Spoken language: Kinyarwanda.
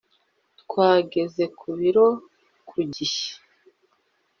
Twageze ku biro ku gihe